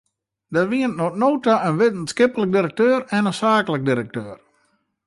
Der wienen oant no ta in wittenskiplik direkteur en in saaklik direkteur.